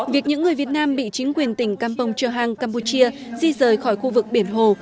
việc những người việt nam bị chính quyền tỉnh campong châu hàng campuchia di rời khỏi khu vực biển hồ